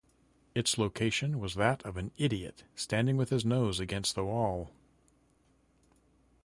Its location was that of an idiot standing with his nose against the wal.